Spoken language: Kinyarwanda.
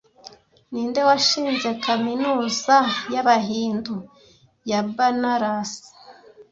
Ninde washinze kaminuza y'abahindu ya Banaras